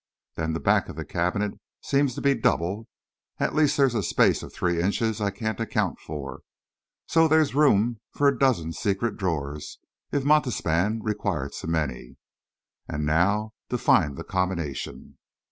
Then the back of the cabinet seems to be double at least, there's a space of three inches I can't account for. So there's room for a dozen secret drawers, if the Montespan required so many. And now to find the combination."